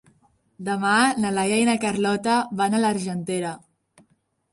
Demà na Laia i na Carlota van a l'Argentera.